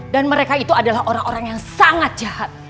dan mereka itu adalah orang orang yang sangat jahat